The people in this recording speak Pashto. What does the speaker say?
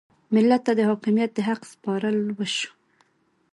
ملت ته د حاکمیت د حق سپارل وشو.